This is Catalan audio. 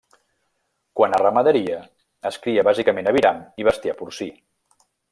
Quant a ramaderia, es cria bàsicament aviram i bestiar porcí.